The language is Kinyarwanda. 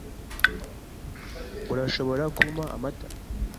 Urashobora kumpa amata?